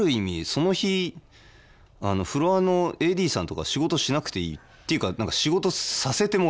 その日フロアのＡＤさんとか仕事しなくていいっていうか仕事させてもらえないみたいな。